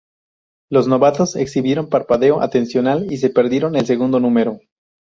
Los novatos exhibieron parpadeo atencional y se perdieron el segundo número.